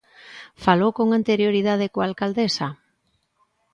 ¿Falou con anterioridade coa alcaldesa?